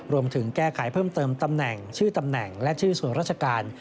รวมถึงแก้ไขเพิ่มเติมตำแหน่งชื่อตำแหน่งและชื่อส่วนราชการ